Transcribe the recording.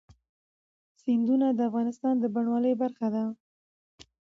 سیندونه د افغانستان د بڼوالۍ برخه ده.